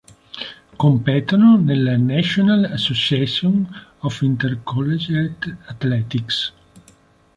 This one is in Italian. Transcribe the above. Competono nella National Association of Intercollegiate Athletics.